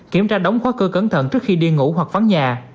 kiểm tra đóng khóa cơ cẩn thận trước khi đi ngủ hoặc vắng nhà